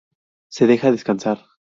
Se deja a descansar.